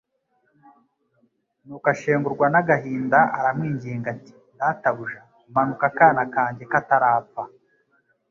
Nuko ashengurwa n'agahinda, aramwinginga ati: "Databuja, manuka, akana kanjye katarapfa.